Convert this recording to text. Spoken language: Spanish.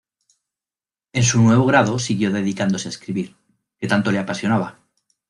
En su nuevo grado siguió dedicándose a escribir, que tanto le apasionaba.